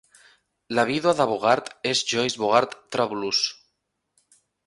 La vídua de Bogart és Joyce Bogart-Trabulus.